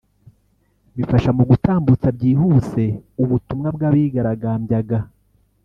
bifasha mu gutambutsa byihuse ubutumwa bw’abigaragambyaga